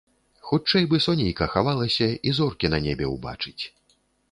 Хутчэй бы сонейка хавалася і зоркі на небе ўбачыць.